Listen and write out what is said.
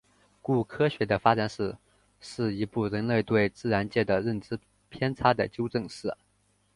故科学的发展史就是一部人类对自然界的认识偏差的纠正史。